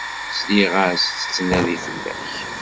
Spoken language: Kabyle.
Sliɣ-as tettnadi fell-ak.